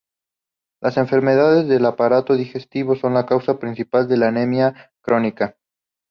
Las enfermedades del aparato digestivo son la causa principal de la anemia crónica.